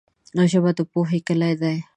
ژبه د پوهې کلي ده